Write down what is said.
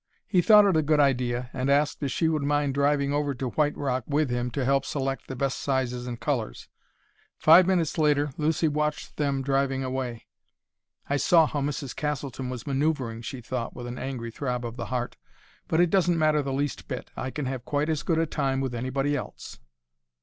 He thought it a good idea and asked if she would mind driving over to White Rock with him to help select the best sizes and colors. Five minutes later Lucy watched them driving away. "I saw how Mrs. Castleton was manoeuvring," she thought with an angry throb of the heart. "But it doesn't matter the least bit. I can have quite as good a time with anybody else."